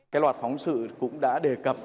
cái loạt phóng sự cũng đã đề cập